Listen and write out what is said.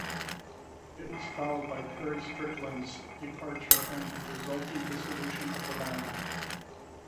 It was followed by Perry Strickland's departure and the resulting dissolution of the band.